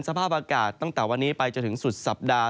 สภาพอากาศตั้งแต่วันนี้ไปจนถึงสุดสัปดาห